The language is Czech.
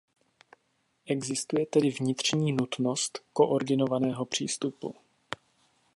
Existuje tedy vnitřní nutnost koordinovaného přístupu.